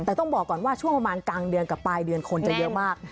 แต่ต้องบอกก่อนว่าช่วงประมาณกลางเดือนกับปลายเดือนคนจะเยอะมาก